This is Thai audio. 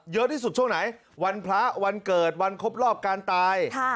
เยอะที่สุดช่วงไหนวันพระวันเกิดวันครบรอบการตาย